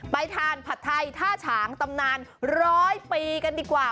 ไปทานผัดไทยท่าฉางตำนานร้อยปีกันดีกว่า